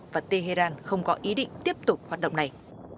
và tehran không có ý định tiếp tục hoạt động này